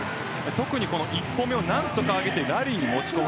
特にこの１本目を何とか上げてラリーに持ち込む。